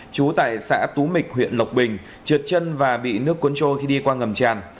chú tại xã tú mịch huyện lộc bình trượt chân và bị nước cuốn trôi khi đi qua ngầm tràn